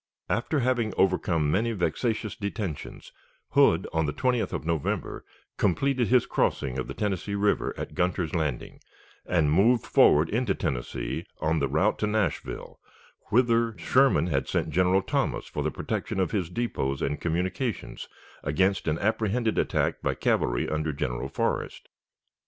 After having overcome many vexatious detentions, Hood on the 20th of November completed his crossing of the Tennessee River at Gunter's Landing, and moved forward into Tennessee on the route to Nashville, whither Sherman had sent General Thomas for the protection of his depots and communications against an apprehended attack by cavalry under General Forrest.